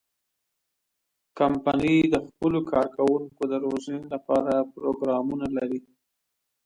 کمپنۍ د خپلو کارکوونکو د روزنې لپاره پروګرامونه لري.